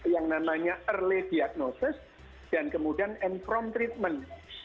yang namanya early diagnosis dan kemudian encrome treatment